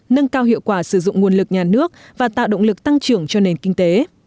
nâng cao hiệu quả sử dụng nguồn lực nhà nước và tạo động lực tăng trưởng cho nền kinh tế